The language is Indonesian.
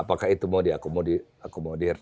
apakah itu mau diakomodir